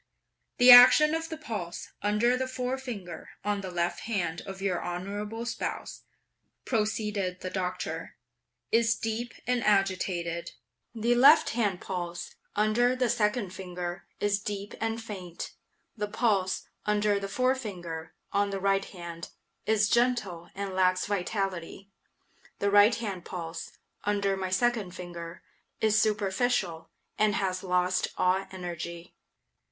"The action of the pulse, under the forefinger, on the left hand of your honorable spouse," proceeded the Doctor, "is deep and agitated; the left hand pulse, under the second finger, is deep and faint. The pulse, under the forefinger, of the right hand, is gentle and lacks vitality. The right hand pulse, under my second finger, is superficial, and has lost all energy.